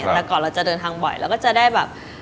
แต่ก่อนเราจะเดินทางบ่อยเราก็จะได้แบบ